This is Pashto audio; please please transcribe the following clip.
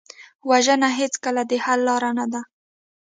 وژنه هېڅکله د حل لاره نه ده